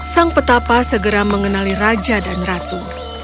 sang petapa segera mengenali raja dan ratu